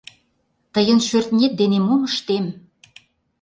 Тыйын шӧртнет дене мом ыштем?